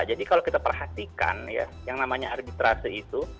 jadi kalau kita perhatikan ya yang namanya arbitrase itu